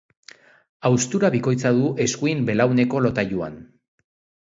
Haustura bikoitza du eskuin belauneko lotailuan.